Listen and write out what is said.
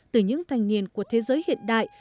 từ những thanh niên của thế giới hiện đại